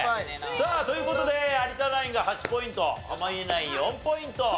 さあという事で有田ナインが８ポイント濱家ナイン４ポイント。